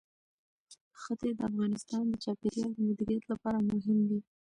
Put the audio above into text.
ښتې د افغانستان د چاپیریال د مدیریت لپاره مهم دي.